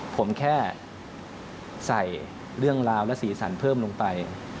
ผมแค่ใส่เรื่องราวและสีสันเพิ่มลงไป